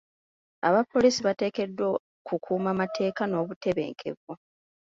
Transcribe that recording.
Abapoliisi bateekeddwa kukuuma mateeka n'obutebenkevu.